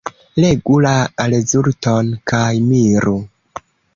Legu la rezulton kaj miru.